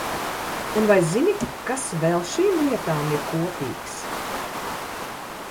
Un vai zini, kas vēl šīm lietām ir kopīgs?